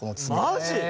マジ！？